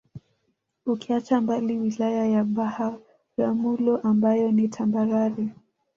Ukiacha mbali Wilaya ya Biharamulo ambayo ni tambarare